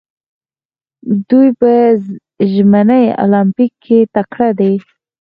دوی په ژمني المپیک کې تکړه دي.